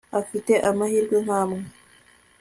afite amahirwe nkamwe